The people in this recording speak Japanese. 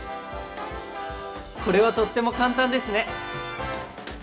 これはとっても簡単ですね！